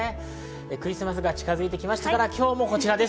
クリスマスが近づいてきましたから今日もこちらです。